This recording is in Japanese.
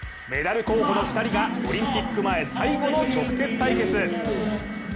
メダル候補の２人がオリンピック前最後の直接対決。